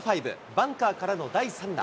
バンカーからの第３打。